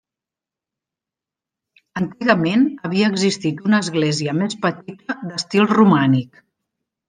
Antigament havia existit una església més petita d'estil romànic.